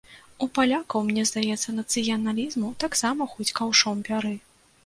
У палякаў, мне здаецца, нацыяналізму таксама хоць каўшом бяры.